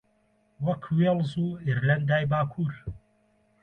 وەک وێڵز و ئێرلەندای باکوور